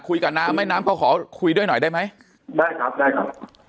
น้ำแม่น้ำเขาขอคุยด้วยหน่อยได้ไหมได้ครับได้ครับ